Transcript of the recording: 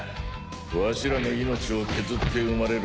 ワシらの命を削って生まれる